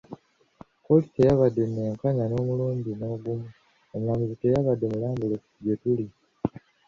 Ekkooti teyabadde nnenkanya n’omulundi n’ogumu, omulamuzi teyabadde mulambulukufu gye tuli.